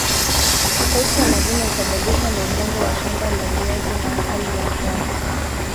tofauti ya mavuno husababishwa na udongo wa shamba la viazi na hali ya hewa